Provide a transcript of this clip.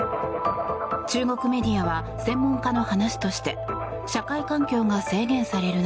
中国メディアは専門家の話として社会環境が制限される